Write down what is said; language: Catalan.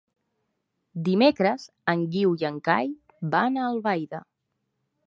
Dimecres en Guiu i en Cai van a Albaida.